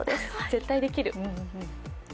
絶対できる。